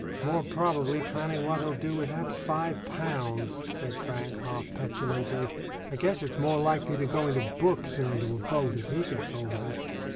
"More probably planning what he'll do with that five pounds," said Frank, half petulantly. "I guess it's more likely to go into books than into a boat if he gets hold of it."